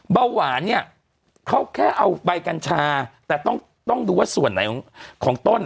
เบาหวานเนี่ยเขาแค่เอาใบกัญชาแต่ต้องดูว่าส่วนไหนของต้น